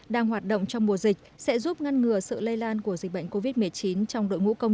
đang hoạt động trong mùa dịch sẽ giúp ngăn ngừa sự lây lan của dịch bệnh covid một mươi chín trong đội ngũ công